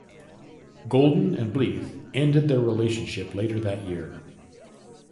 Goldin and Bleeth ended their relationship later that year.